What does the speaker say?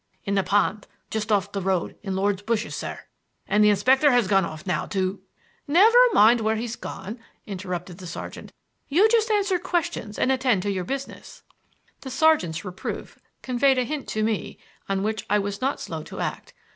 "In the pond just off the road in Lord's Bushes, sir, and the inspector has gone off now to " "Never mind where he's gone," interrupted the sergeant. "You just answer questions and attend to your business." The sergeant's reproof conveyed a hint to me on which I was not slow to act.